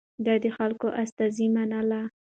ده د خلکو استازي منل.